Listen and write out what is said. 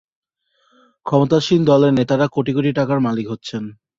ক্ষমতাসীন দলের নেতারা কোটি কোটি টাকার মালিক হচ্ছেন।